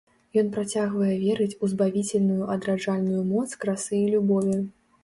Ён працягвае верыць у збавіцельную адраджальную моц красы і любові.